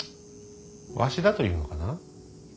わしだと言うのかな。